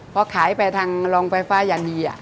พอขายไปทางโรงไฟฟ้ายานี